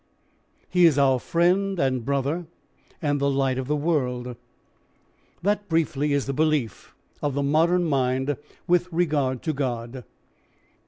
He is our friend and brother and the light of the world. That briefly is the belief of the modern mind with regard to God.